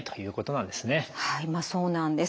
はいまあそうなんです。